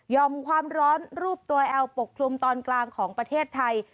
อมความร้อนรูปตัวแอลปกคลุมตอนกลางของประเทศไทย